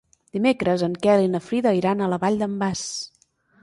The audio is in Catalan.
Dimecres en Quel i na Frida iran a la Vall d'en Bas.